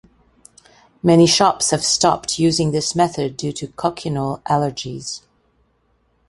Many shops have stopped using this method due to cochineal allergies.